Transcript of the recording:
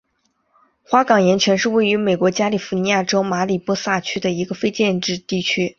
花岗岩泉是位于美国加利福尼亚州马里波萨县的一个非建制地区。